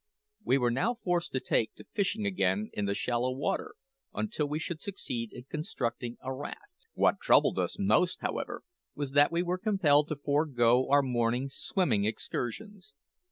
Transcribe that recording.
We were now forced to take to fishing again in the shallow water until we should succeed in constructing a raft. What troubled us most, however, was that we were compelled to forego our morning swimming excursions.